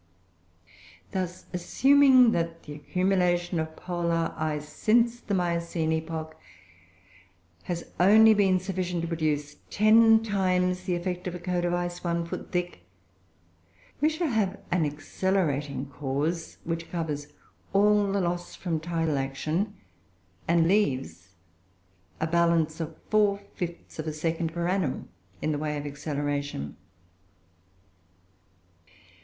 Thus, assuming that the accumulation of polar ice since the Miocene epoch has only been sufficient to produce ten times the effect of a coat of ice one foot thick, we shall have an accelerating cause which covers all the loss from tidal action, and leaves a balance of 4/5 of a second per annum in the way of acceleration.